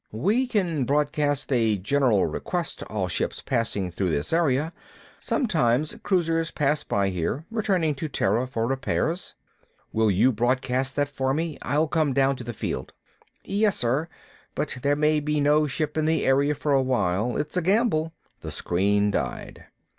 "We can broadcast a general request to all ships passing through this area. Sometimes cruisers pass by here returning to Terra for repairs." "Will you broadcast that for me? I'll come down to the field." "Yes sir. But there may be no ship in the area for awhile. It's a gamble." The screen died.